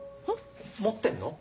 持ってんの？